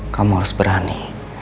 kamu harus berani